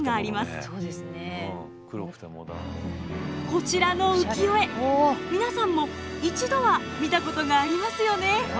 こちらの浮世絵皆さんも一度は見たことがありますよね。